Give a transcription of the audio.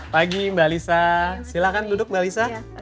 pagi mbak lisa silakan duduk mbak lisa